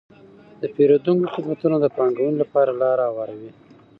د پیرودونکو خدمتونه د پانګونې لپاره لاره هواروي.